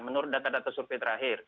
menurut data data survei terakhir